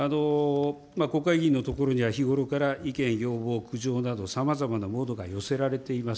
国会議員のところには、日頃から意見、要望、苦情などさまざまなものが寄せられております。